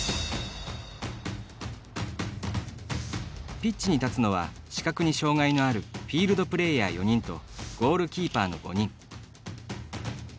ピッチに立つのは視覚に障がいのあるフィールドプレーヤー４人とゴールキーパーの５人。